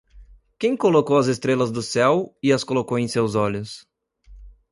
Quem colocou as estrelas do céu e as colocou em seus olhos?